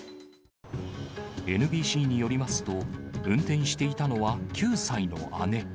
ＮＢＣによりますと、運転していたのは９歳の姉。